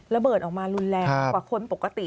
ระเบิดออกมารุนแรงกว่าคนปกติ